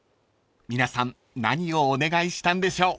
［皆さん何をお願いしたんでしょう？］